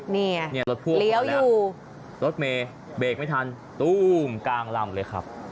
เนี่ยรถพ่วงเลี้ยวอยู่รถเมย์เบรกไม่ทันตู้มกลางลำเลยครับ